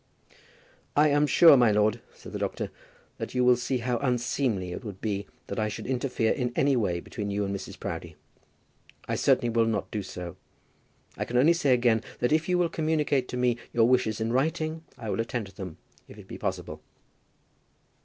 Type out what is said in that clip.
"I am sure, my lord," said the doctor, "that you will see how unseemly it would be that I should interfere in any way between you and Mrs. Proudie. I certainly will not do so. I can only say again that if you will communicate to me your wishes in writing, I will attend to them, if it be possible."